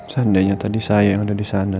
seandainya tadi saya yang ada di sana